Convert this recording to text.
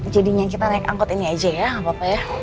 jadinya kita naik angkut ini aja ya nggak apa apa ya